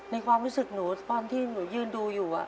ความรู้สึกหนูตอนที่หนูยืนดูอยู่